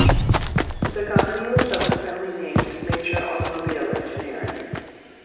The company was subsequently named Matra Automobile Engineering.